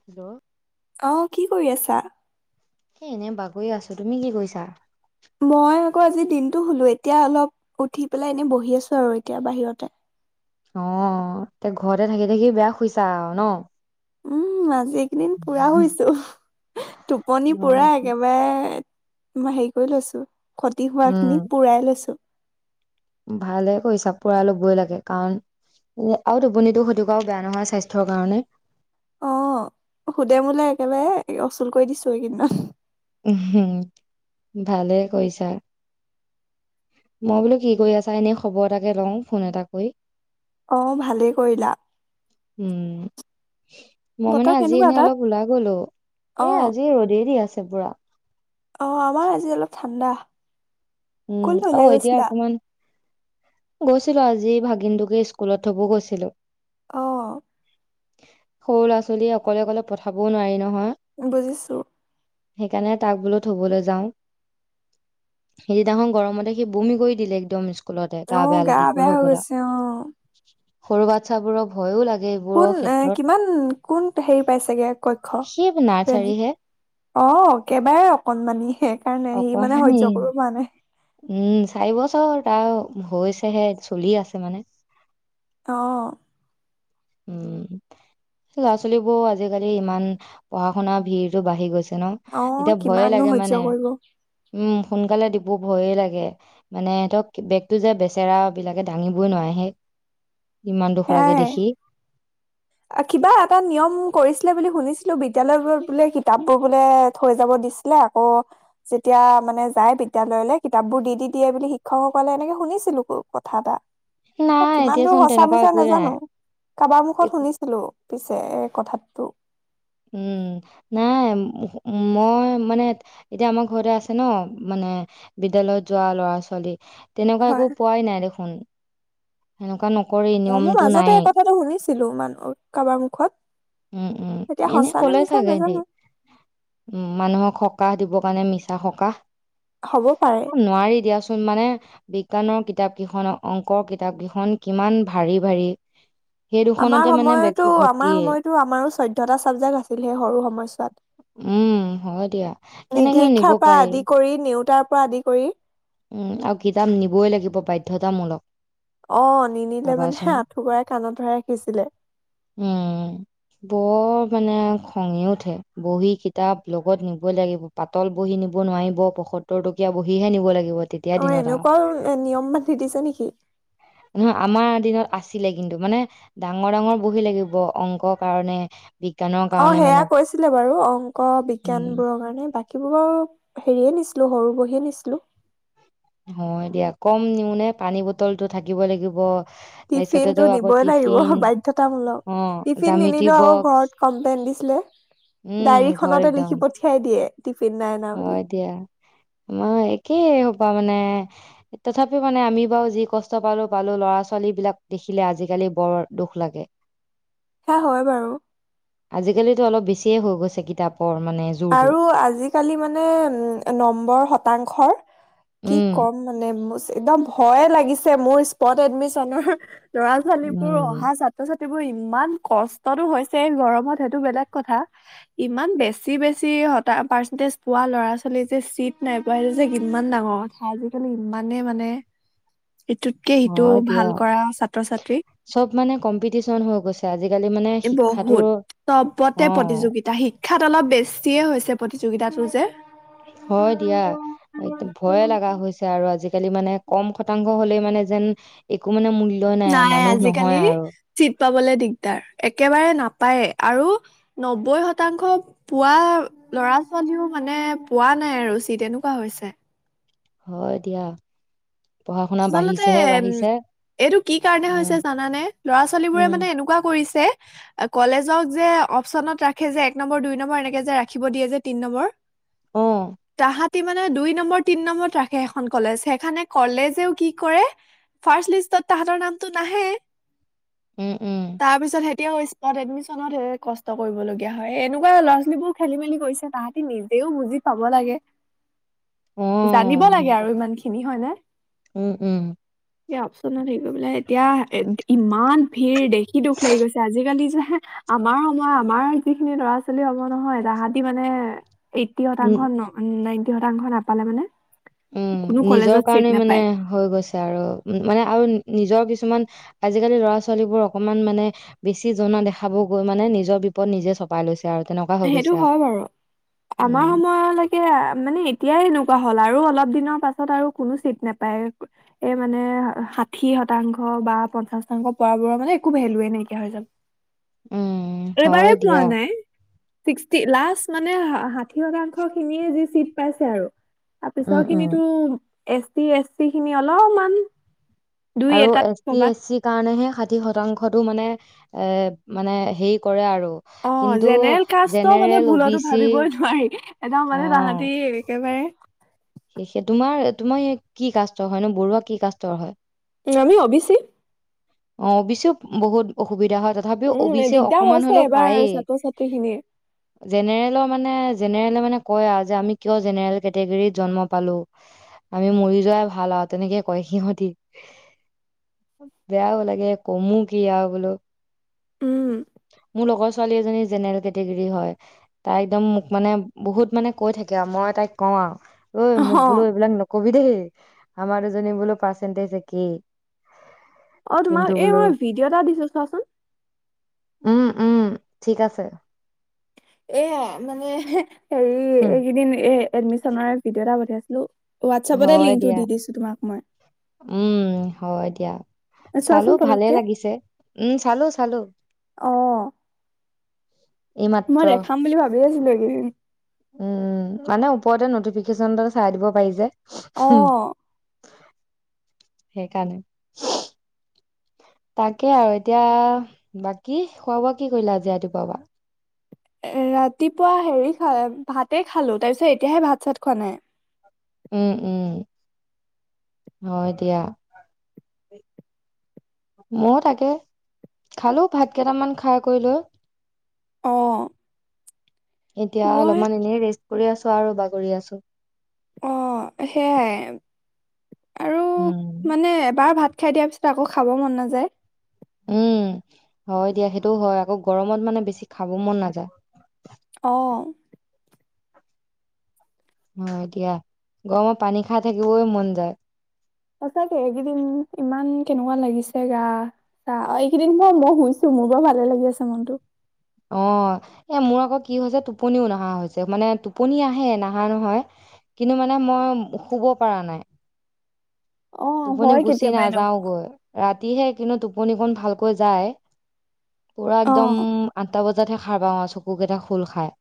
Hello. অ' কি কৰি আছা? সেই এনেই বাগৰি আছো। তুমি কি কৰিছা? মই আকৌ আজি দিনটো শুলো এতিয়া অলপ উঠি পেলাই এনে বহি আছো আৰু এতিয়া বাহিৰতে। অ' অ' এ ঘৰতে থাকি থাকি বেয়া শুইছা আৰু ন। উম আজি কেইদিন পুৰা শুইছো, টোপনি পুৰা একেবাৰে মই হেৰি কৰি লৈছো, ক্ষতি হোৱা খিনি উম পুৰাই লৈছো। ভালে কৰিছা পুৰাই ল'বই লাগে কাৰণ উ আৰু টোপনিটো ক্ষতি কৰাও বেয়া নহয় স্বাস্থ্যৰ কাৰণে। অ' সুদে-মুলে একেবাৰে উচুল কৰি দিছো এইকেইদিনত। ভালেই কৰিছা। মই বোলো কি কৰি আছা এনেই খবৰ এটাকে লওঁ ফোন এটা কৰি। অ' ভালেই কৰিলা। উম। মই মানে বতৰ আজি কেনেকুৱা এনেই তাত? অলপ ওলাই গ'লো। এ অ' আজি ৰ'দেই দি আছে পুৰা। অ' আমাৰ আজি অলপ ঠাণ্ডা। উম ক'লৈ ওলাই অ' এতিয়া গৈছিলা? অকমান। গৈছিলো আজি ভাগিন টোকে ইস্কুলত থব গৈছিলো। অ' অ' সৰু ল'ৰা-ছোৱালী অকলে অকলে পঠাবও নোৱাৰি নহয়। বুজিছোঁ। সেইকাৰণে তাক বোলো থবলৈ যাওঁ। সেইদিনাখন গৰমতে সি বমি কৰি দিলে একদম ইস্কুলতে। গা অ' বেয়া লাগি গ'ল হৈ হ'বলা। গৈছে অ'। সৰুবাত ছাবোৰৰ ভয়ো লাগে কোন এইবোৰৰ এ ক্ষেত্ৰত। কিমান কোন হেৰি পাইছেগে কক্ষ? সি নাৰ্চাৰী প্ৰেমিক হে। অ' একেবাৰে অকনমানি। সেইকাৰণে সি মানে অকমানি সহ্য কৰিব পৰা নাই। উম, চাৰি বছৰ হ'ল তাৰ হৈছেহে চলি আছে মানে। অ' অ' অ' উম। ছোৱালীবোৰ আজিকালি ইমান পঢ়া শুনাৰ ভিৰতো বাঢ়ি গৈছে। অ' এতিয়া ভয়ে কিমাননো লাগে সহ্য মানে কৰিব উম সোনকালে দিব ভয়ে লাগে। মানে সিহঁতক বেগতটো যে বেচেৰা বিলাকে দাঙিবই নোৱাৰে সেই ইমান দুখ লাগে সেয়াই দেখি। কিবা এটা নিয়ম কৰিছিলে বুলি শুনিছিলো বিদ্যালয়বোৰত বোলে কিতাপবোৰ বোলে থৈ যাব দিছিলে। অ' যেতিয়া মানে যায় বিদ্যালয়লে কিতাপ বোৰ দি দি দিয়ে বুলি শিক্ষকসকলে এনেকে শুনিছিলো কথা এটা। নাই কিমান দূৰ এতিয়াচোন সঁচা তেনেকুৱা মিছা একোৱে নাই নাজানো কাৰোবাৰ মুখত একো- শুনিছো। লো‌ পিছে পিছে কথাটো। উম। নাই মই মানে এতিয়া আমাৰ ঘৰতে আছে ন মানে বিদ্যালয় যোৱা ল'ৰা ছোৱালী তেনেকুৱা একো হয় পোৱাই নাই দেখোন সেনেকুৱা নকৰে অ মোৰ মাজতে এই কথাটো শুনিছিলো মান কাবাৰ মুখত উম উম এতিয়া এনে সঁচা নে কলে মিছা চাগে হেতি নাজানো উম মানুহক সকাহ দিবৰ কাৰণে মিছা সকাহ হ'ব পাৰে নোৱাৰি দিয়াচোন মানে বিজ্ঞানৰ কিতাপ কেইখন অংকৰ কিতাপ কেইখন কিমান ভাৰী ভাৰী সেই দুখনতে মানে বেগটো ভৰ্তিয়ে টো আমাৰো চৈধ্যটা চাবজেক্ট আছিল সেই সৰু সময়ত উম হয় দিয়া নিধী কেনেকেনো নিব শিক্ষা পৰা পাৰি আদি কৰি নেওতাৰ পৰা আদি কৰি উম আৰু কিতাপ নিবই লাগিব বাধ্যতামূলক অ নিনিলে মানে ভাবাচোন হে আঁঠু কঢ়াই কাণত ধৰাই ৰাখিছিলে উম বৰ মানে খঙে উঠে বহি কিতাপ লগত নিবই লাগিব পাতল বহি নিব নোৱাৰিব পয়সত্তৰ টকীয়া বহিহে নিব লাগিব তেত অ এনেকুৱাও নিয়ম বান্ধি দিছে নেকি নহয় আমাৰ দিনত আছিলে কিন্তু মানে ডাঙৰ ডাঙৰ বহি লাগিব অংকৰ কাৰণে বিজ্ঞানৰ অ কাৰণে সেয়া মানে কৈছিলে বাৰু অংক বিজ্ঞান উম, বোৰৰ কাৰণে বাক বাকী বোৰ বাৰু হেৰিয়ে নিছিলোঁ সৰু বহিয়ে নিছিলোঁ হয় দিয়া কম নিও নে পানী বটলটো থাকিব লাগিব টিফিন তাৰপিছতেতো টো আকৌ নিবই লাগিব টিফিন বাধ্যতামূলক অ', টিফিন জ্যামিতি নিনিলো আকৌ বক্স ঘৰত কমপ্লেইন দিছিলে উম, ঘৰ ডায়ৰীখনতে একদম লিখি পথিয়া দিয়ে টিফিন নাই অনা। বুলি। হয় দিয়া আমাৰ একেই সোপা মানে তথাপিও মানে আমি বাৰু যি কষ্ট পালো পালো ল'ৰা ছোৱালী বিলাক দেখিলে আজিকালি বৰ দুখ লাগে [unintelligible] সেয়া হয় বাৰু আজিকালিতো অলপ বেছিয়ে হৈ গৈছে কিতাপৰ মানে জোৰটো আৰু আজিকালি মানে নম্বৰ শতাংশৰ কি উম ক'ম মানে একদম ভয়ে লাগিছে মোৰ স্পত এডমিশ্যনৰ লৰা ছোৱালীবোৰ অহা উম ছাত ছাত্ৰ ছাত্ৰীবোৰ ইমান কষ্টতো হৈছে গৰমত সেইটো বেলেগ কথা ইমান বে বেছি বেছি শতা পাৰ্চেন্টেজ পোৱা ল'ৰা ছোৱালী যে চিট নাই পোৱা সেইটো যে কিমান ডাঙৰ কথ থা আজিকালি ইমানেই মানে, এইটোত হয়, দিয়া, চব মানে কম্পিটিচন হৈ গৈছে, আজিকালি মানে শিক্ষাটো বহুত অ চবতে প্ৰতিযোগিতা, শিক্ষাত অলপ বেছিয়ে হৈছে প্ৰতিযোগিতাটো যে। হয় দিয়া। একদম ভয়ে লগা হৈছে আৰু আজিকালি মানে, কম শতাংশ হলেই মানে যেন একো মানে মূল্যই নাই মানুহ নহয় আৰু। চিট পাবলে দিগদাৰ, একেবাৰে নাপায়েই, আৰু নব্বৈ শতাংশ পোৱা, ল'ৰা ছোৱালীও মানে পোৱা নাই আৰু চিট এনেকুৱা হৈছে। হয় দিয়া। পঢ়া শুনা আপুনালোকে বাঢ়িছেহে বাঢ়িছে এইটো কি কাৰণে হৈছে উম জানানে, ল'ৰা ছোৱালী বোৰে উম মানে এনেকুৱা কৰিছে। কলেজত যে অপচনত ৰাখে যে, এক নম্বৰ, দুই নম্বৰ এনেকে যে ৰাখিব দিয়ে যে, তিন নম্বৰ। অ তাহাতি মানে দুই নম্বৰ, তিন নম্বৰত ৰাখে সেখন কলেজ, সেইকাৰণে কলেজ জেও কি কৰে ফাৰ্ষ্ট লিষ্টত তাহাঁতৰ নামটো নাহে উম, উম, তাৰপিছত সে এতিয়াও স্পট এডমিচনত ধেৰ কষ্ট কৰিবলগীয়া হয়, এনেকুৱা ল'ৰা- ছোৱালীবোৰো খেলি মেলি কৰিছে তাহাঁতি নিজেও বুজি পাব লাগে, অ', জানিব লাগে সেনেকুৱা, আৰু ইমান খিনি হয় নে উম উম। এতিয়া অপচনত নাথাকিলে বোলে এতিয়া ইমান ভিৰ দেখ খি দুখ লাগি গৈছে, আজিকালি যে আমাৰ সময়ৰ আমাৰ যিখিনি ল'ৰা-ছোৱালী হব নহয়, তাহাঁতি মানে এইটটি শতাংশ উম, ন নাইনটি শতাংশ নাপালে মানে উম, কোনো নিজৰ কলেজত চিট কাৰণে মানে নাপায় হৈ গৈছে আৰু মানে আৰু নিজৰ কিছুমান আজিকালি ল'ৰা-ছোৱালীবোৰ অকমান মানে বেছি জনা দেখাব গৈ মানে নিজৰ বিপদ নিজে চ পাই লৈছে আৰু তেনেকুৱা হৈ সেইটো গৈছে আৰু হয় বাৰু উম, আমাৰ সময় লৈ কে মানে এতিয়াই এনেকুৱা হ'ল আৰু অলপ দিনৰ পাছত আৰু কোনো চিট নাপায় আৰু এই মানে ষাঠি শতাংশ বা পঞ্চাশ শতাংশ পোৱা বোৰৰ মানে একো ভেলুৱে নাইকিয়া হৈ যাব। উম হয় এইবাৰেই পোৱা দিয়া। নাই ছিক্সটি, লাষ্ট মানে ষাঠি শতাংশ খিনিয়ে যি চিট পাইছে আৰু। তাৰপিছৰ উম, উম, খিনিতো এচ টি, এচ চি খিনি অলপমান দুই আৰু এটা এচ টি, কৰ'বাত এচ চি কাৰণেহে ষাঠি শতাংশটো মানে এ মানে হেৰি কৰে আৰু। অ' কিন্তু জেনেৰেল কাষ্টৰ মানে জেনেৰেল অ' বি ভুলতো চি ভাবিবই নোৱাৰি। একদম মানে তাহাঁতি একেবাৰে সেয়েহে তোমাৰ তোমাৰ কি কাষ্টৰ হয় ন, বৰুৱা কি কাষ্টৰ হয়? উম, আমি অবিচি। অ' অবিচিও বহুত অসুবিধা হয় তথাপিও উম অবিচিয়ে দিগদাৰ অকমান হৈছে হলেও এবাৰ পায়েই। ছাত্ৰ ছাত্ৰী খিনিৰ। জেনেৰেলৰ মানে, জেনেৰেলে মানে কয় আৰু যে আমি কিয় জেনেৰেল কেটেগেৰীত জন্ম পালো, আমি মৰি যোৱাই ভাল আৱ তেনেকে কয় সিহঁতি। বেয়াও লাগে, কমো কি আও বোলো। উম, মোৰ লগৰ ছোৱালী এজনী জেনেৰেল কেটে গেৰী হয়, তাই একদম মোক মানে বহুত মানে কৈ থাকে আৰু মই তাইক কওঁ আও ঐ অহ, মোক বোলো এইবিলাক নকবি দেই, আমাৰ দুজনী বোলো পাৰ্চেন্টেজ একেই। অ' তোমাক কিন্তু এই বোলো মই ভিডিঅ' এটা দিছো চোৱাচোন। উম উম ঠিক আছে। এয়া মানে হেৰি হুম, এইকেইদিন এ এডমিশনৰে ভিডিঅ' এটা পঠিয়াইছিলো। ৱাটছেপতে হয় লিংকটো দিয়া দি দিছো তোমাক মই। উম হয় দিয়া। চালো চোৱাচোন ভালে পতককে। লাগিছে, উম চালো চালো। অ' এইমাত্ৰ মই দেখাম বুলি ভাবি আছিলো এই কেইদিন। উম মানে ওপৰতে নটিফিকেশ্যন তাতে চাই দিব পাৰি যে। হুম, অঁ। সেইকাৰণে। তাকে আৰু এতিয়া বাকী খোৱা বোৱা কি কৰিলা আজি ৰাতিপুৱা পা। এ ৰাতিপুৱা হেৰি খা ভাতে খালো তাৰ পিছত এতিয়াহে ভাত-চাত খোৱা নাই। উম, উম, হয় দিয়া। মই তাকে, খালো ভাত কেইটামান খাই কৰি লৈ অঁ। এতিয়া অলপমান এনে ৰেষ্ট কৰি আছো আৰু বাগৰি আছোঁ। অ', সেয়ায়ে আৰু উম। মানে এবাৰ ভাত খাই দিয়াৰ পিছত আকৌ খাব মন নাযায়। উম, হয় দিয়া সেইটোও হয়। আকৌ গৰমত মানে বেছি খাব মন নাযায়। অঁ। হয় দিয়া, গৰমত পানী খাই থাকিবই মন যায়। সঁচাকে, এইগিদিন ইমান কেনেকুৱা লাগিছে গা। আহ, এইগিদিন বাও মই শুইছো মোৰ বাৰু ভালে লাগি আছে মনটো। অ। এ মোৰ আকৌ কি হৈছে টোপনিও নাহা হৈছে, মানে টোপনি আহে নাহা নহয়। কিনো মানে মই শুব পৰা নাই। অ টোপনি হয় গুচি কেতিয়াবা এনেকুৱা নাযাওঁগৈ। ৰাতিহে কিনো টোপনিকণ ভালকৈ যায়, পুৰা অ একদম আঠটা বজাতহে খাৰ পাওঁ আৰু চকুকেইটা খোল খায়।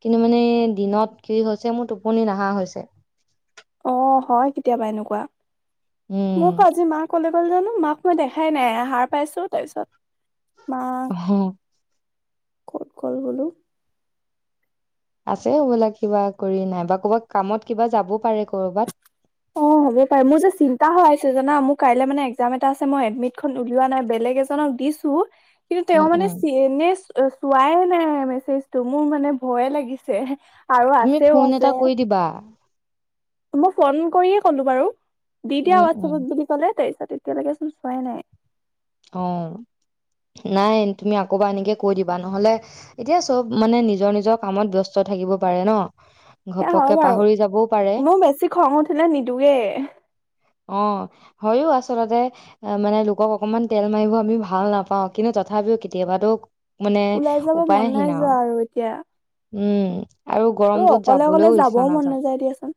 কিনো মানে দিনত কি হৈছে, মোৰ টোপনি নাহা হৈছে। অ', হয় কেতিয়াবা এনেকুৱা। উম মোকো আজি মাই ক'লে ল জানো মাক মই দেখাই নাই, হাৰ পাইছো তাৰপিছত মাক অ', ক'ত গ'ল বোলো। আছে হ'বলা কিবা কৰি নাইবা ক'বা কামত কিবা যাব পাৰে কৰ'বাত। অ হ'ব পাৰে, মোৰ যে চিন্তা হৈ আছে জানা মোৰ কাইলে মানে একজাম এটা আছে মই এডমিতখন উলিওৱা নাই বেলেগ এজনক দিছো। [unintelligible] কিন্তু তেওঁ উম মানে উম [unintelligible] চোৱাই নাই মেছেজটো, মোৰ মানে ভয়ে লাগিছে আৰু আছেও আছে কিবা। মই ফ'ন কৰিয়ে ক'লো বাৰু, দি দিয়া উম উম হোৱাটছএপত বুলি ক'লে। তাৰপিছত এতিয়ালেকে চোন চোৱাই নাই। অ', নাই তুমি আকৌ এবাৰ এনেকে কৈ দিবা, নহ'লে এতিয়া চব মানে নিজৰ নিজৰ কামত ব্যস্ত থাকিব পাৰে ন। সেয়া হয় ঘপককে বাৰু, পাহৰি যাবও পাৰে মোৰ বেছি খং উঠিলে নিদোয়ে। অ', হয়ো আচলতে, এ মানে লোকক অকমান তেল মাৰিব আমি ভাল নাপাওঁ, কিন্তু তথাপিও কেতিয়াবাতো মানে ওলাই যাব মন নাই উপায়হীন আও, যোৱা আৰু এতিয়া উম। আৰু গৰমটোত অকলে অকলে যাবলৈও ইচ্ছা যাবও মন নাযায়। দিয়াচোন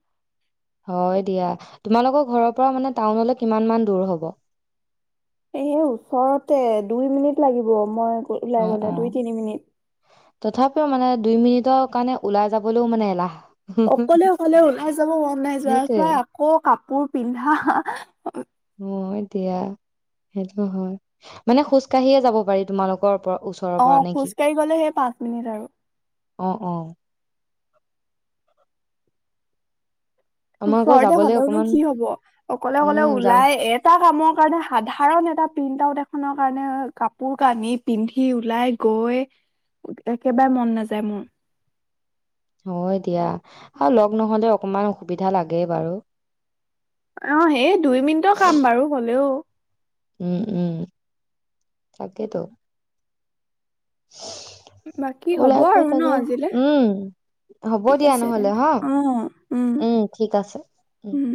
হয় দিয়া। তোমালোকৰ ঘৰৰ পৰা মানে টাউনলৈ কিমান মান দূৰ হ'ব? এই ওচৰতে দুই মিনিট লাগিব মই ওলাই অ', গ'লে দুই অ'। তিনি মিনিট তথাপিও মানে দুই মিনিটৰ কাৰণে ওলাই যাবলৈও মানে এলাহ। অকলে-অকলে ওলাই যাব মন নাই যোৱা, সেইটোৱে চোৱা আকৌ কাপোৰ পিন্ধা হয় দিয়া, সেইটো হয়। মানে খোজকাঢ়িয়ে যাব পাৰি তোমালোকৰ পৰ ওচ অ', খোজকাঢ়ি গ'লে সেই পাঁচ মিনিট আৰু। অ', অ'। আমাৰ আকৌ ওচৰতে যাবলৈ হলেওনো অকমান কি হ'ব, অকলে অকলে উম, যাম ওলাই এ এটা কামৰ কাৰণে সাধাৰণ এটা প্ৰিণ্ট আউট এখনৰ কাৰণে কাপোৰ-কানি পিন্ধি ওলাই গৈ একেবাৰে মন নাযায় মোৰ। হয় দিয়া, আৰু লগ নহ'লে অকমান অসুবিধা লাগে বাৰু। অঁ সেই দুই মিনিটৰ কাম বাৰু হ'লেও। উম, উম, তাকেতো। বাকী হ'ব উলাই কৰি আৰু ন থাকিব আজিলে উম হ'ব ঠিক দিয়া আছে নহ'লে তেন্তে হা! অ উম, ঠিক আছে। উম।